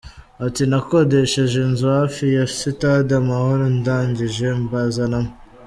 Ati “Nakodesheje inzu hafi ya Sitade Amahoro ndangije mbazanamo.